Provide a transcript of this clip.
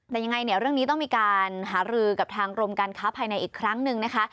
แต่ยังไงเนี่ยเรื่องนี้ต้องมีการหารือกับทางกรมการค้าภายในอีกครั้งหนึ่งนะคะ